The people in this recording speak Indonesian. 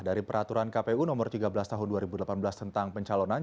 dari peraturan kpu nomor tiga belas tahun dua ribu delapan belas tentang pencalonan